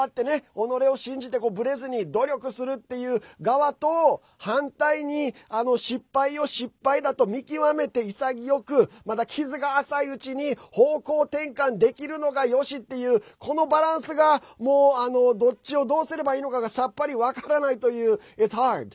己を信じてぶれずに努力するという側と反対に、失敗を失敗だと見極めて潔く、まだ傷が浅いうちに方向転換できるようになるのがよしっていう、このバランスがどっちをどうすればいいのかがさっぱり分からないというのが。